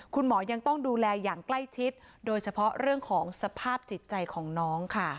คุณหมอยังต้องดูแลอย่างใกล้ชิดโดยเฉพาะเรื่องของสภาพจิตใจของน้องค่ะ